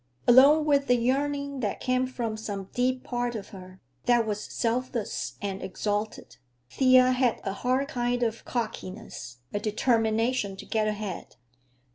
Along with the yearning that came from some deep part of her, that was selfless and exalted, Thea had a hard kind of cockiness, a determination to get ahead.